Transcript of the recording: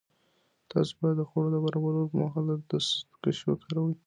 تاسو باید د خوړو د برابرولو پر مهال دستکشې وکاروئ.